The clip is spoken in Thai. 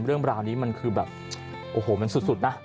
เรื่องราวนี้มันคือแบบโอ้โหมันสุดนะ